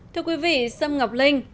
thưa quý vị xâm ngọc linh